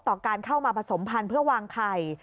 ต่อการเข้ามาผสมพันธุ์เพื่อวางไข่